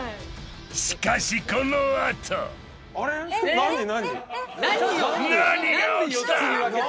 しかしこのあと何が起きた？